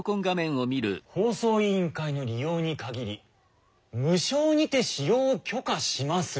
「放送委員会の利用に限り無償にて使用を許可します」。